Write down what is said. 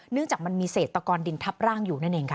เนื่องจากมันมีเศรษฐกรดินทับร่างอยู่นั่นเองค่ะ